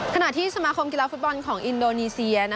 ขณะที่สมาคมกีฬาฟุตบอลของอินโดนีเซีย